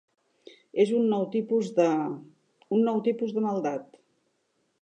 És un nou tipus de... un nou tipus de maldat.